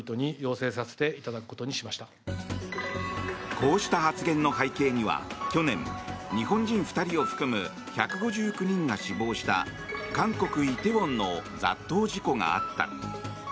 こうした発言の背景には去年、日本人２人を含む１５９人が死亡した韓国・梨泰院の雑踏事故があった。